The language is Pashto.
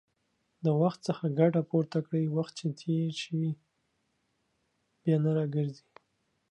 د وخت څخه ګټه پورته کړئ، وخت چې تېر شي، بيا نه راګرځي